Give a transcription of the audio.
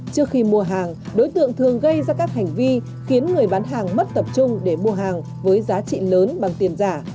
trước khi mua hàng đối tượng thường gây ra các hành vi khiến người bán hàng mất tập trung để mua hàng với giá trị lớn bằng tiền giả